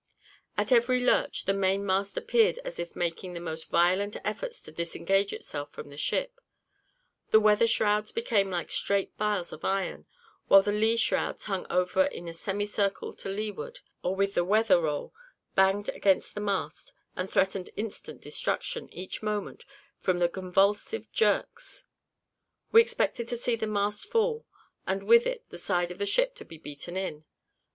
At every lurch, the mainmast appeared as if making the most violent efforts to disengage itself from the ship: the weather shrouds became like straight bars of iron, while the lee shrouds hung over in a semi circle to leeward, or with the weather roll, banged against the mast, and threatened instant destruction, each moment, from the convulsive jerks. We expected to see the mast fall, and with it the side of the ship to be beat in.